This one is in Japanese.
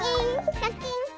シャキン。